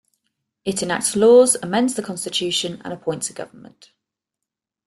It enacts laws, amends the constitution and appoints a government.